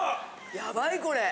ヤバいこれ。